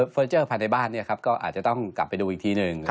เจอร์ภายในบ้านก็อาจจะต้องกลับไปดูอีกทีหนึ่ง